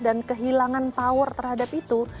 dan kehilangan power terhadap itu